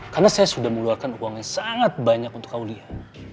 karena saya sudah mengeluarkan uang yang sangat banyak untuk aulia